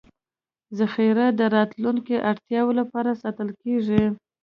ذخیره د راتلونکو اړتیاوو لپاره ساتل کېږي.